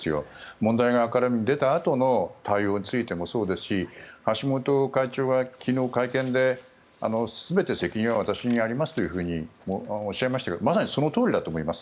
問題が明るみに出たあとの対応についてもそうですし橋本会長が昨日会見で全て責任は私にありますとおっしゃいましたけどまさにそのとおりだと思います。